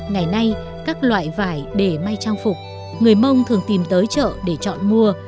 ngày nay các loại vải để may trang phục người mông thường tìm tới chợ để chọn mua